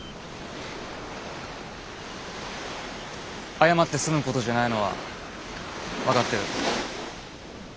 謝って済むことじゃないのは分かってる。